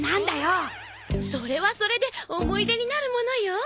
それはそれで思い出になるものよ。